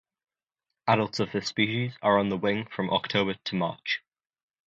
Adults of this species are on the wing from October to March.